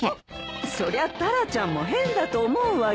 そりゃタラちゃんも変だと思うわよ。